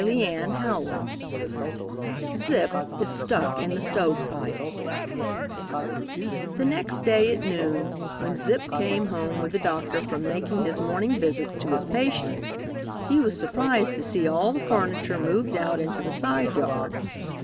CHAPTER V ZIP IS STUCK IN THE STOVEPIPE The next day at noon, when Zip came home with the doctor from making his morning visits to his patients, he was surprised to see all the furniture moved out into the side yard.